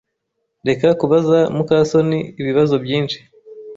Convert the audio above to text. Reka kubaza muka soni ibibazo byinshi.